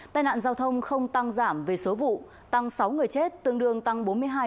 tai nạn giao thông không tăng giảm về số vụ tăng sáu người chết tương đương tăng bốn mươi hai